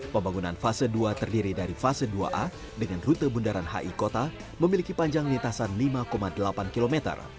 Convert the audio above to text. pembangunan fase dua terdiri dari fase dua a dengan rute bundaran hi kota memiliki panjang lintasan lima delapan km